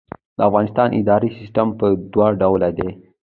د افغانستان اداري سیسټم په دوه ډوله دی.